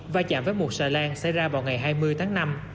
và chạm với một xà lan xảy ra vào ngày hai mươi tháng năm